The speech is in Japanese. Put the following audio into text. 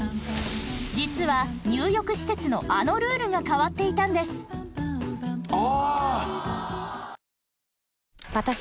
実は入浴施設のあのルールが変わっていたんですあ！